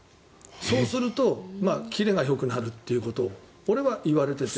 そうすると切れがよくなるということを俺は言われてて。